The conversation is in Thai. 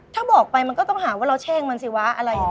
ถ้าบอกไปมันก็ต้องหาว่าเราแช่งมันสิวะ